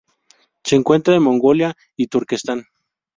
Se encuentra en Mongolia y Turquestán.